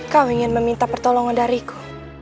kau ingin meminta pertolongan dariku